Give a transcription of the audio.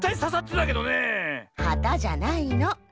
はたじゃないの。